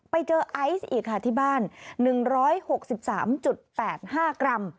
ไปเจอไอซ์อีกค่ะที่บ้าน๑๖๓๘๕กรัม